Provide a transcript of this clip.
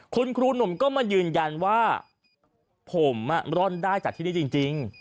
คุณครูหนุ่มก็มายืนยันว่าผมร่อนได้จากที่นี่จริง